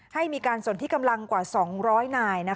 ให้มีการสนที่กำลังกว่า๒๐๐นาย